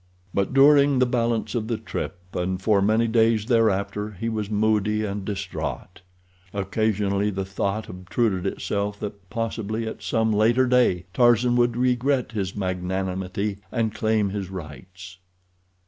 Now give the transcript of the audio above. But during the balance of the trip, and for many days thereafter, he was moody and distraught. Occasionally the thought obtruded itself that possibly at some later day Tarzan would regret his magnanimity, and claim his rights.